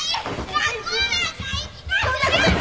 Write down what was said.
学校なんか行きたくない！